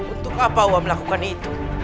untuk apa ua melakukan itu